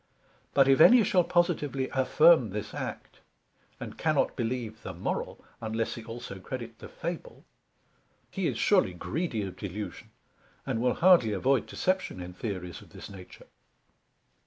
But if any shall positively affirm this act, and cannot believe the Moral, unless he also credit the Fable; he is surely greedy of delusion, and will hardly avoid deception in theories of this Nature.